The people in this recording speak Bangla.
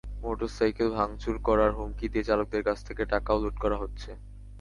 মোটরসাইকেল ভাঙচুর করার হুমকি দিয়ে চালকদের কাছ থেকে টাকাও লুট করা হচ্ছে।